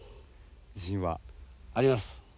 自信は？あります。